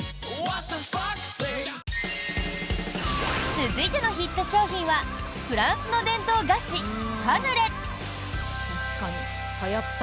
続いてのヒット商品はフランスの伝統菓子、カヌレ。